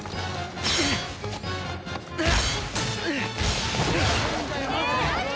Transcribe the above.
あっ！